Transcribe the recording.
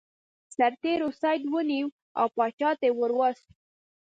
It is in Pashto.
سرتیرو سید ونیو او پاچا ته یې ور وست.